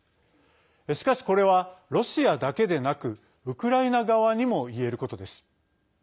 しかし、これはロシアだけでなくウクライナ側にもいえることです。